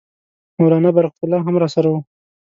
مولنا برکت الله هم راسره وو.